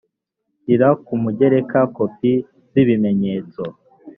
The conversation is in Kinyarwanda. shyira ku mugereka kopi z ibimenyetso